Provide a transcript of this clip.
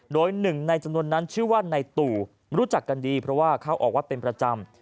โดยหนึ่งในจำนวนนั้นชื่อว่าในตู่รู้จักกันดีเพราะว่าเข้าออกวัดเป็นประจำ